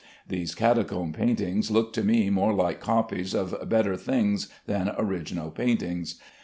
These catacomb paintings look to me more like copies of better things than original paintings.